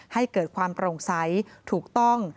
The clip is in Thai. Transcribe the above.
ให้เกิดความโปร่งใสถูกต้อง